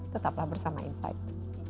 tetaplah bersama invite